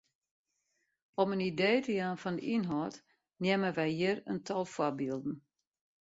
Om in idee te jaan fan de ynhâld neame wy hjir in tal foarbylden.